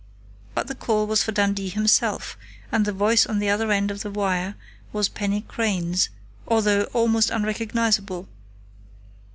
But the call was for Dundee himself, and the voice on the other end of the wire was Penny Crain's, although almost unrecognizable.